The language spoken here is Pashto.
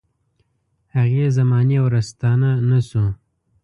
هغې زمانې ورستانه نه شو.